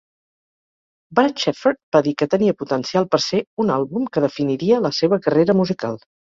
Brad Shepherd va dir que tenia potencial per ser "un àlbum que definiria la seva carrera musical".